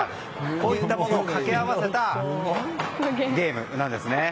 こういったものを掛け合わせたゲームなんですね。